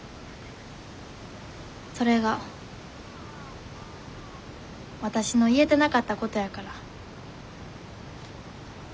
それがわたしの言えてなかったことやから。